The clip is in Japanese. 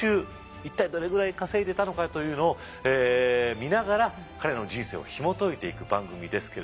一体どれぐらい稼いでたのかというのを見ながら彼らの人生をひも解いていく番組ですけれども。